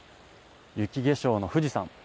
雪化粧の富士山。